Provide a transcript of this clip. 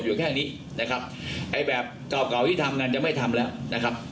นะครับผมก็ต้องให้การว่าเขาให้การว่าเขาให้การขัดแย้งข้อเรียกจริงนะครับ